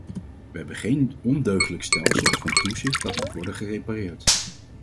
We hebben geen ondeugdelijk stelsel van toezicht dat moet worden gerepareerd.